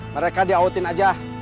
mereka diautin aja